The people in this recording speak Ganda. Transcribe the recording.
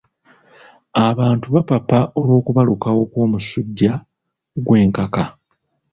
Abantu bapapa olw'okubalukawo kw'omusujja gw'enkaka.